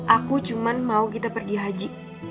aku cuma mau kita pergi haji